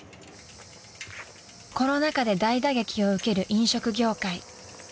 ［コロナ禍で大打撃を受ける飲食業界］